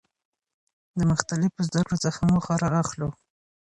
د مختلفو زده کړو څخه موخه را اخلو.